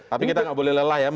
tapi kita nggak boleh lelah ya